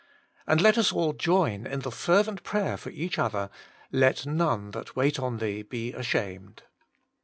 And let us all join in the fervent prayer for each other, * Let none that wait on Thee be ashamed.'